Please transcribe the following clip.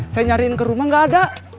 saya nyariin ke rumah gak ada